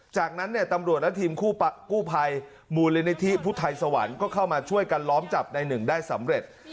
จากนั้นเนี่ยตำรวจและทีมกู้ภัยมูลนิธิพุทธไทยสวรรค์ก็เข้ามาช่วยกันล้อมจับในหนึ่งได้สำเร็จ